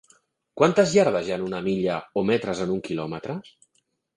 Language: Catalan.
Quantes iardes hi ha en una milla, o metres en un quilòmetre?